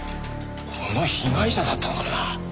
この被害者だったのかもな。